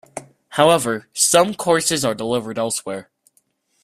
However, some courses are delivered elsewhere.